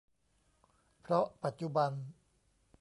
เพราะปัจจุบัน